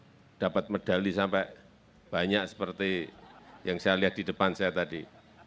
tapi ini juga dapat mendali sampai banyak seperti yang saya lihat di depan saya tadi